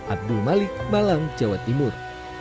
abdul malik malang jawa timur